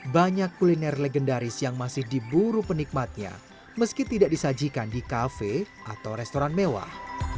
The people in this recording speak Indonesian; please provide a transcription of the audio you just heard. banyak kuliner legendaris yang masih diburu penikmatnya meski tidak disajikan di kafe atau restoran mewah